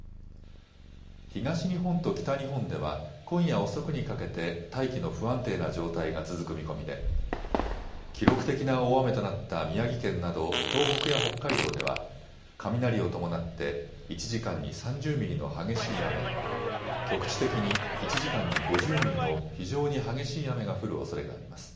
東日本と北日本では今夜遅くにかけて大気の不安定な状態が続く見込みで記録的な大雨となった宮城県など東北や北海道では雷を伴って１時間に３０ミリの激しい雨や局地的に１時間に５０ミリの非常に激しい雨が降るおそれがあります。